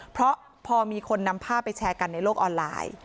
เพราะพอมีคนนำภาพไปแชร์กันในโลกออนไลน์